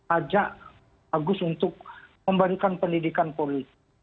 ajak agus untuk memberikan pendidikan politik